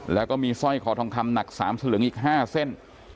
แล้วก็มีสร้อยคอทองคำหนัก๓สลึงอีก๕เส้น